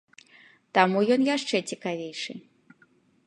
Таму ён яшчэ цікавейшы.